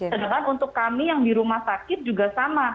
sedangkan untuk kami yang di rumah sakit juga sama